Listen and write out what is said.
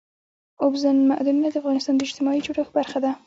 اوبزین معدنونه د افغانستان د اجتماعي جوړښت برخه ده.